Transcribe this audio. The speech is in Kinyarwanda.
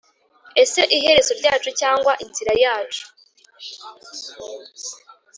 ese iherezo ryacu cyangwa inzira yacu;